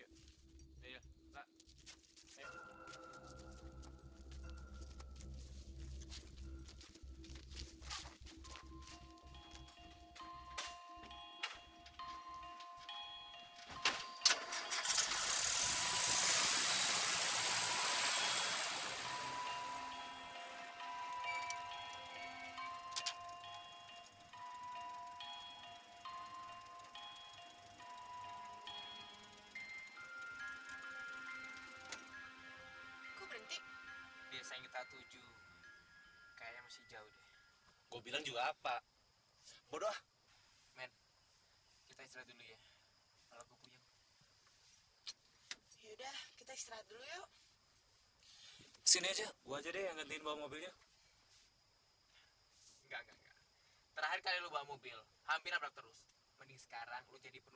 aduh berisik banget sendiri tadi pusing gue denger ya kita mimpi rumah itu yuk sekalian